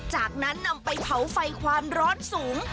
จากนั้นนำไปเผาไฟความร้อนสูง